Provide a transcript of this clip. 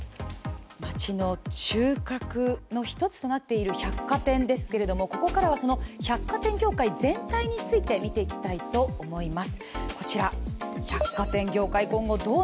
街の中核の一つとなっている百貨店ですけれどもここからは百貨店業界全体について見ていきたいと思います。